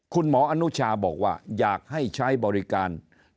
คุณหมออนุชาบอกว่าอยากให้ใช้บริการ